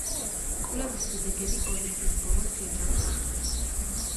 კვლევის შედეგები ორი წლის ბოლოს შეჯამდა.